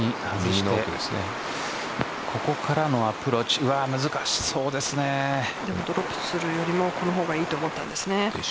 ここからのアプローチドロップするよりもこの方がいいと思ったんですね。